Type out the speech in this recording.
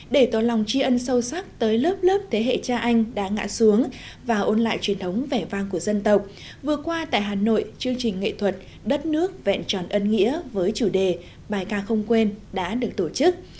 để tỏ lòng chi ân sâu sắc tới lớp lớp thế hệ cha anh đã ngã xuống và ôn lại truyền thống vẻ vang của dân tộc vừa qua tại hà nội chương trình nghệ thuật đất nước vẹn tròn ân nghĩa với chủ đề bài ca không quên đã được tổ chức